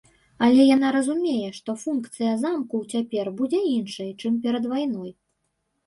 Але яна разумее, што функцыя замку цяпер будзе іншай, чым перад вайной.